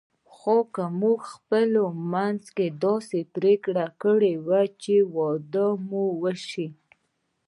خو موږ خپل منځي داسې پرېکړه کړې وه چې واده مو شوی.